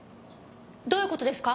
どういう事ですか？